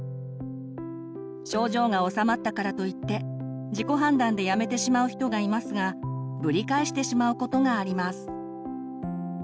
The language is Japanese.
症状がおさまったからといって自己判断でやめてしまう人がいますがぶり返してしまうことがあります。